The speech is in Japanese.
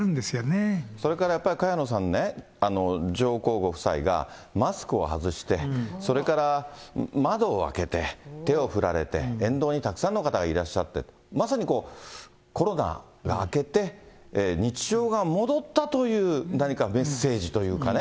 それからやっぱり、萱野さんね、上皇ご夫妻がマスクを外して、それから窓を開けて、手を振られて、沿道にたくさんの方がいらっしゃって、まさにコロナが明けて、日常が戻ったという、何かメッセージというかね。